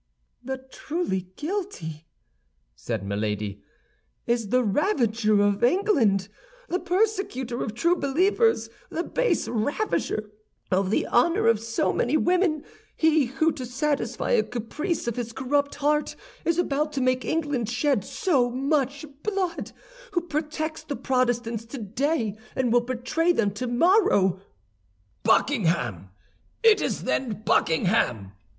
"The truly guilty," said Milady, "is the ravager of England, the persecutor of true believers, the base ravisher of the honor of so many women—he who, to satisfy a caprice of his corrupt heart, is about to make England shed so much blood, who protects the Protestants today and will betray them tomorrow—" "Buckingham! It is, then, Buckingham!"